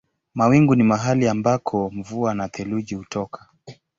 Mawingu ni mahali ambako mvua na theluji hutoka.